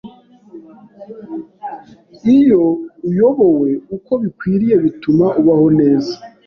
Iyo uyobowe uko bikwiriye bituma ubaho neza